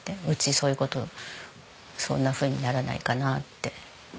うちそういう事そんなふうにならないかなって。